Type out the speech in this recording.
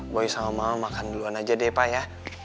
boy sama mama makan duluan aja deh pak ya